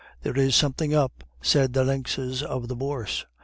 'There is something up,' said the lynxes of the Bourse.